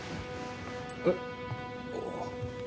えっ？あっ。